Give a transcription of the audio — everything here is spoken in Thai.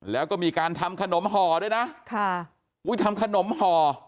แล้วก็มีการทำขนมห่อด้วยนะค่ะอุ้ยทำขนมห่อ